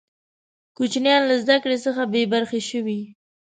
کوچنیان له زده کړي څخه بې برخې شوې.